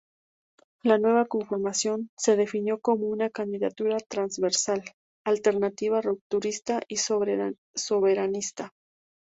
La nueva formación se definió como una candidatura "transversal, alternativa, rupturista y soberanista".